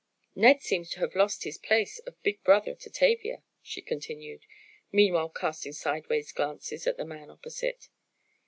"Ned seems to have lost his place of big brother to Tavia," she continued, meanwhile casting sidewise glances at the man opposite.